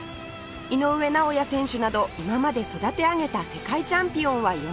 井上尚弥選手など今まで育て上げた世界チャンピオンは４人